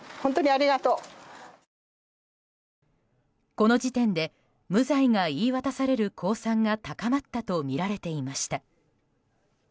この時点で無罪が言い渡される公算が高まったとみられていました。